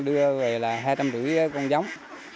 đưa về là hai trăm năm mươi con giống